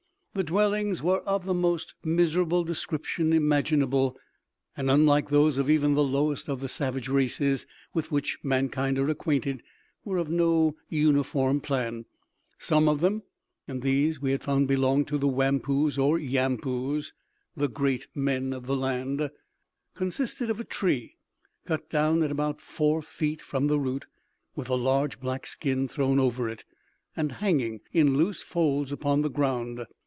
The dwellings were of the most miserable description imaginable, and, unlike those of even the lowest of the savage races with which mankind are acquainted, were of no uniform plan. Some of them (and these we found belonged to the Wampoos or Yampoos, the great men of the land) consisted of a tree cut down at about four feet from the root, with a large black skin thrown over it, and hanging in loose folds upon the ground.